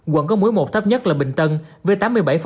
quận có mũi một thấp nhất là bình tân với tám mươi bảy